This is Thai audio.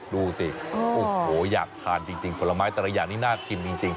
ดูสิโอ้โหอยากทานจริงผลไม้แต่ละอย่างนี้น่ากินจริง